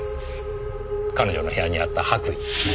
彼女の部屋にあった白衣。